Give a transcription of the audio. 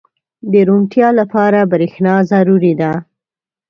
• د روڼتیا لپاره برېښنا ضروري ده.